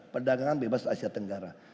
perdagangan bebas asia tenggara